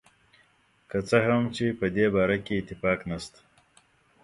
که څه هم چې په دې باره کې اتفاق نشته.